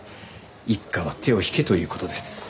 一課は手を引けという事です。